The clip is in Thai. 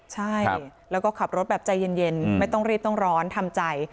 ใช่แล้วก็ขับรถแบบใจเย็นไม่ต้องรีบต้องร้อนทำใจ